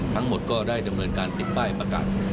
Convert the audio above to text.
ทั้งหมดก็ได้ดำเนินการติดป้ายประกาศ